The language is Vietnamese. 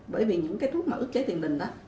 bởi vì những thuốc ước chế tiền đình